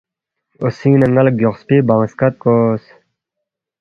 اوسینگ نہ نالا گیوخپی بانگ سکد کوس۔